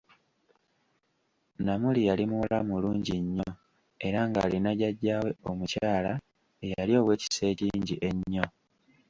Namuli yali muwala mulungi nnyo era ng'alina jjaja we omukyala eyali ow'ekisa ekingi ennyo.